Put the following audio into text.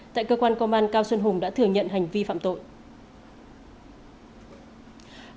tại cơ quan công an cao xuân hùng đã thừa nhận hành vi phạm tội